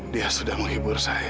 dia sudah menghibur saya